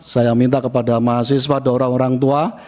saya minta kepada mahasiswa dorong orang tua